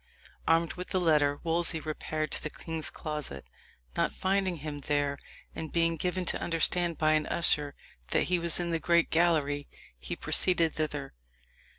Armed with the letter, Wolsey repaired to the king's closet. Not finding him there, and being given to understand by an usher that he was in the great gallery, he proceeded thither.